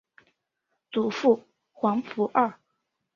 祖父黄福二。